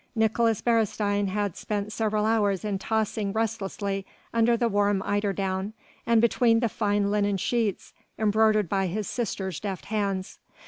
Nicolaes Beresteyn had spent several hours in tossing restlessly under the warm eiderdown and between the fine linen sheets embroidered by his sister's deft hands.